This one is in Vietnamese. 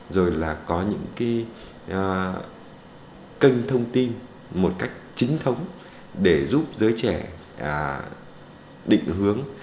rồi là có những cái kênh thông tin một cách chính thống để giúp giới trẻ định hướng